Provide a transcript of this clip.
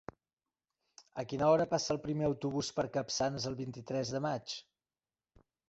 A quina hora passa el primer autobús per Capçanes el vint-i-tres de maig?